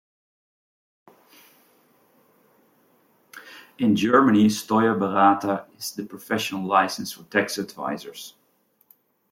In Germany, Steuerberater is the professional license for tax advisors.